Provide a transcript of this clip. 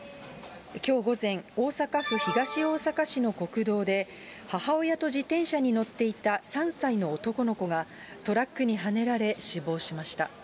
きょう午前、大阪府東大阪市の国道で、母親と自転車に乗っていた３歳の男の子がトラックにはねられ、死亡しました。